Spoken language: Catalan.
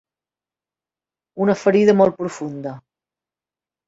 Una ferida molt profunda.